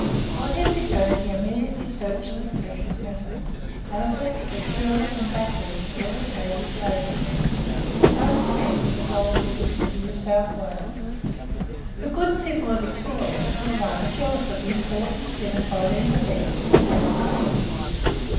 On his return, he immediately searched for the precious metal; Ophir, the Turon, and Bathurst well repaid his labour. Thus commenced the gold diggings of New South Wales. The good people of Victoria were rather jealous of the importance given by these events to the other colony.